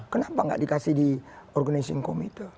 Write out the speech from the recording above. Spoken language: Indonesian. kenapa nggak dikasih di organizing committee